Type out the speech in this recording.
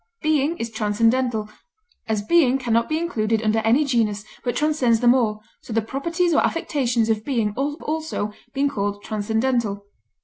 "Being is transcendental.... As being can not be included under any genus, but transcends them all, so the properties or affections of being have also been called transcendental."